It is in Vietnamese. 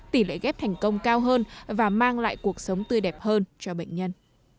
tỷ lệ ghép thành công cao hơn và mang lại cuộc sống tươi đẹp hơn cho bệnh nhân